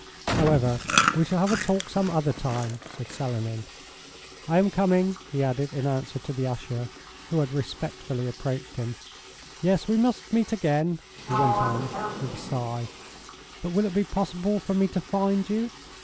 "However, we shall have a talk some other time," said Selenin. "I am coming," he added, in answer to the usher, who had respectfully approached him. "Yes, we must meet again," he went on with a sigh. "But will it be possible for me to find you?